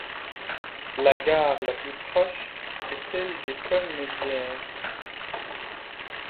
La gare la plus proche est celle d'Épône-Mézières.